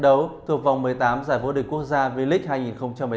đấu thuộc vòng một mươi tám giải vô địch quốc gia v league hai nghìn một mươi tám